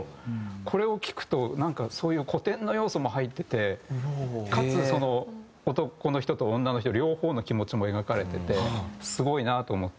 これを聴くとなんかそういう古典の要素も入っててかつ男の人と女の人両方の気持ちも描かれててすごいなと思って。